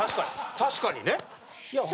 確かにね。